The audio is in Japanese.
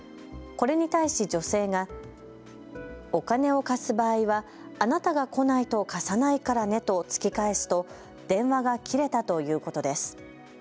これに対し女性がお金を貸す場合はあなたが来ないと貸さないからねと突き返すと電話が切れたということです。